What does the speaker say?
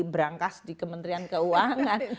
brankas di kementerian keuangan